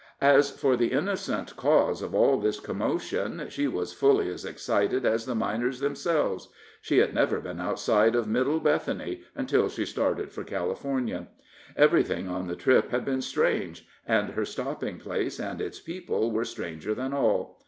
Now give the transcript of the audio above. As for the innocent cause of all this commotion, she was fully as excited as the miners themselves. She had never been outside of Middle Bethany, until she started for California. Everything on the trip had been strange, and her stopping place and its people were stranger than all.